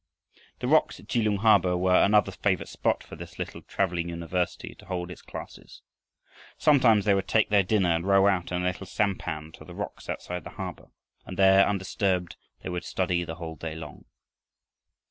The rocks at Kelung harbor were another favorite spot for this little traveling university to hold its classes. Sometimes they would take their dinner and row out in a little sampan to the rocks outside the harbor and there, undisturbed, they would study the whole day long.